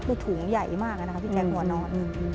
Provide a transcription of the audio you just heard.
คือถุงใหญ่มากนะคะพี่แจ๊คหัวนอน